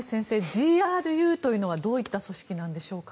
ＧＲＵというのはどういった組織なんでしょうか。